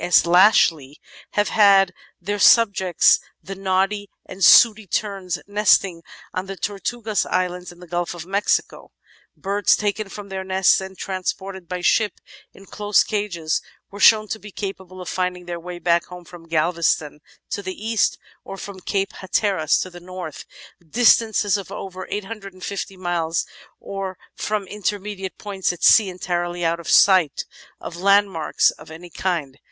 S. Lashley have had as their sub jects the Noddy and Sooty Terns nesting on the Tortugas Islands in the Gulf of Mexico. Birds taken from their nests and trans ported by ship in closed cages were shown to be capable of finding their way back from Galveston (to the east) or from Cape Hatteras (to the north), distances of over 850 miles, or from in termediate points at sea entirely out of sight of landmarks of any kind.